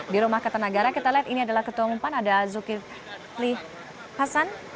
di rumah kertanegara kita lihat ini adalah ketua umpan ada zulkifli hasan